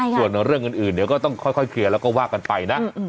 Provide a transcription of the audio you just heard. ส่วนเรื่องอื่นเดี๋ยวก็ต้องค่อยเคลียร์แล้วก็ว่ากันไปนะ